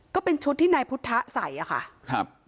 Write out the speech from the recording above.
ก็เป็นชุดที่นายพุทธะใส่อะค่ะครับ